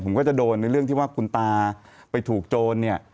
ผมก็จะโดนในเรื่องที่ว่าคุณตาไปถูกโจรเนี่ย